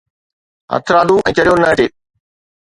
هٿرادو ۽ چريو نه اچي؟